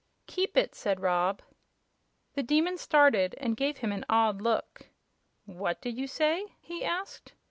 "Keep it," said Rob. The Demon started, and gave him an odd look. "What did you say?" he asked.